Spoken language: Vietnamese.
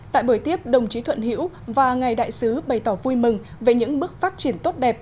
tại buổi tiếp đồng chí thuận hiễu và ngài đại sứ bày tỏ vui mừng về những bước phát triển tốt đẹp